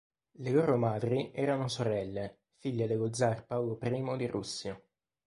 Le loro madri erano sorelle, figlie dello zar Paolo I di Russia.